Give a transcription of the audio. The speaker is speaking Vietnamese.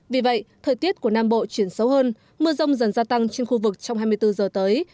vì vậy thời tiết của nam bộ chuyển xấu hơn mưa rông dần gia tăng trên khu vực trong hai mươi bốn giờ tới